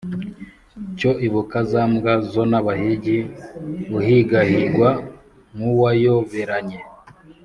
Cyo ibuka za mbwa zo n’abahigi Uhigahigwa nk’uwayoberanye